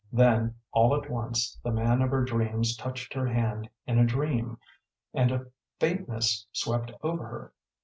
Then all at once the man of her dreams touched her hand in a dream, and a faintness swept over her.